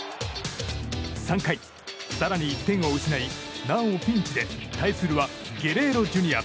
３回、更に１点を失いなおもピンチで対するはゲレーロＪｒ．。